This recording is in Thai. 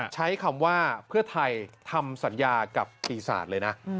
ใช้คำว่าเพื่อไทยทำสัญญากับปีศาจเลยนะ